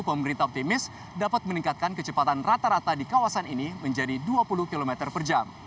pemerintah optimis dapat meningkatkan kecepatan rata rata di kawasan ini menjadi dua puluh km per jam